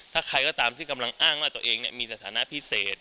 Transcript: ถ้าใครก็ตามที่กำลังอ้างว่าตัวเองมีสถานะพิเศษ